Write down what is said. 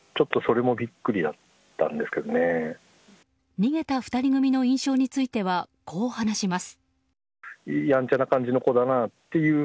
逃げた２人組の印象についてはこう話します。